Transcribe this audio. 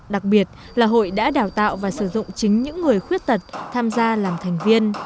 đặc biệt là hội đã đào tạo và sử dụng chính những người khuyết tật tham gia làm thành viên